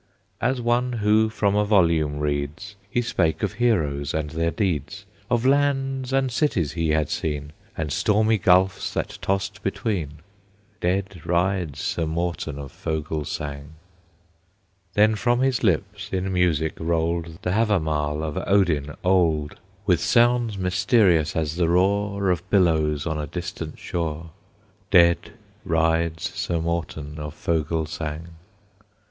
As one who from a volume reads, He spake of heroes and their deeds, Of lands and cities he had seen, And stormy gulfs that tossed between. Dead rides Sir Morten of Fogelsang. Then from his lips in music rolled The Havamal of Odin old, With sounds mysterious as the roar Of billows on a distant shore. Dead rides Sir Morten of Fogelsang.